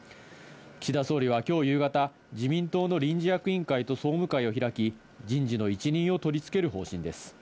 岸田総理は今日夕方、自民党の臨時役員会と総務会を開き、人事の一任を取り付ける方針です。